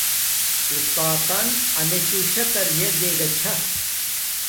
اُستاتن امیچوں شاہ تربیت دیگا چھا